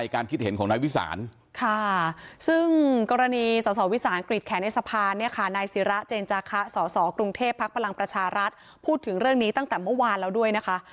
ค่ะนายศิราเจนจาคะสสกรุงเทพภักดิ์ประหลังประชารัฐพูดถึงเรื่องนี้ตั้งแต่เมื่อวานแล้วด้วยนะคะ